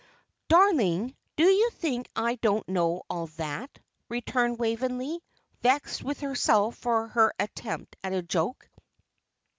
"Darling, do you think I don't know all that?" returned Waveney, vexed with herself for her attempt at a joke.